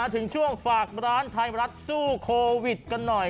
ถึงช่วงฝากร้านไทยรัฐสู้โควิดกันหน่อย